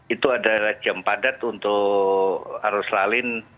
itu adalah jam padat untuk arus lalin